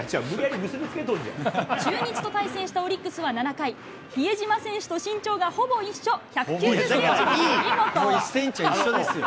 中日と対戦したオリックスは７回、比江島選手と身長がほぼ一緒、もう１センチは一緒ですよ。